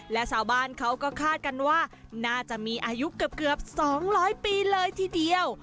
และชาวบ้านเขาก็คาดกันว่าน่าจะมีอายุเกือบ๒๐๐ปีเลยทีเดียว